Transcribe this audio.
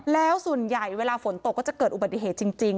แล้วส่วนใหญ่เวลาฝนตกก็จะเกิดอุบัติเหตุจริง